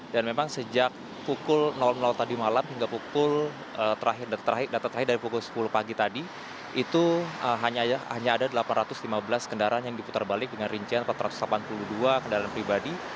dan memang sejak pukul tadi malam hingga pukul terakhir data terakhir dari pukul sepuluh pagi tadi itu hanya ada delapan ratus lima belas kendaraan yang diputar balik dengan rincian empat ratus delapan puluh dua kendaraan pribadi